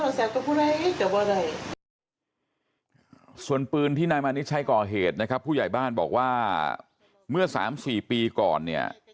ส่วนปืนที่นายมานิดใช้ก่อเหตุนะครับผู้ใหญ่บ้านบอกว่าเมื่อสามสี่ปีก่อนเนี่ย